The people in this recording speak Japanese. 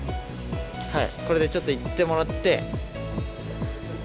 はいこれでちょっと行ってもらって。